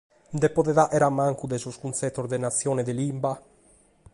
Nde podet fàghere a mancu de sos cuntzetos de natzione e de lìngua?